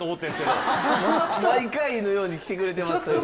毎回のように来てくれてますけれども。